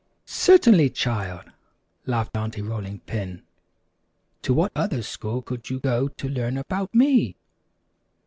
"Certainly, child," laughed Aunty Rolling Pin. "To what other school could you go to learn about me?"